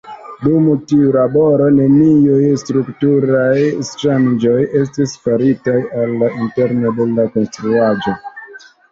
Dum tiu laboro, neniuj strukturaj ŝanĝoj estis faritaj al la interno de la konstruaĵo.